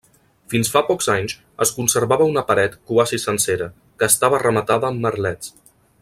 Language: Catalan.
Fins fa pocs anys es conservava una paret quasi sencera, que estava rematada amb merlets.